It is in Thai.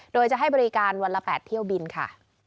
โดยจะให้บริการวันละ๘เที่ยวบินค่ะ